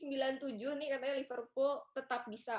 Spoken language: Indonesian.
ini katanya liverpool tetap bisa